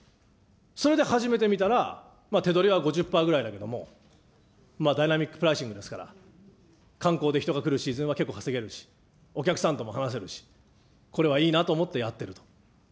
それで始めてみたら、手取りは５０パーぐらいだけれども、ダイナミックプライシングですから、観光で人が来るシーズンは結構稼げるし、、これはいいなと思ってやってると。